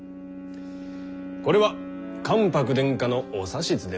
これは関白殿下のお指図でもある。